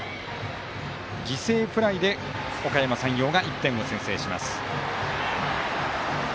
犠牲フライで、おかやま山陽が１点を先制します。